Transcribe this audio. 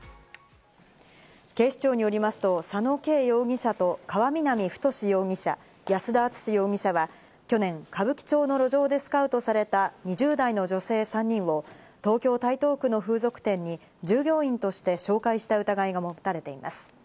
警視庁によりますと、佐野圭容疑者と、川南太容疑者、安田篤史容疑者は、去年、歌舞伎町の路上でスカウトされた２０代の女性３人を東京・台東区の風俗店に従業員として紹介した疑いが持たれています。